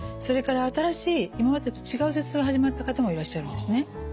それから新しい今までと違う頭痛が始まった方もいらっしゃるんですね。